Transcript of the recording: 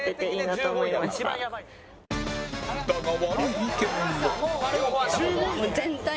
だが悪い意見も